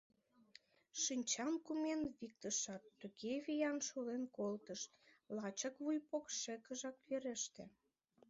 шинчам кумен виктышат, туге виян шолен колтыш — лачак вуй покшекыжак вереште.